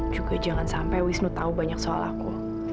juga jangan sampai wisnu tahu banyak soal aku